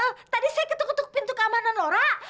ano tadi saya ketuk ketuk pintu keamanan lora